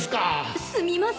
すみません。